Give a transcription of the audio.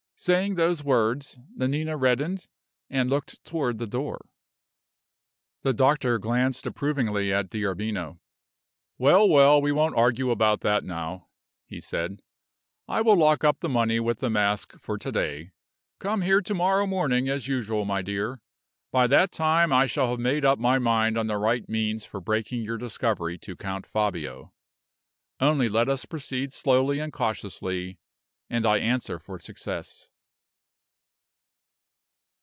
Saying those words, Nanina reddened, and looked toward the door. The doctor glanced approvingly at D'Arbino. "Well, well, we won't argue about that now," he said. "I will lock up the money with the mask for to day. Come here to morrow morning as usual, my dear. By that time I shall have made up my mind on the right means for breaking your discovery to Count Fabio. Only let us proceed slowly and cautiously, and I answer for success."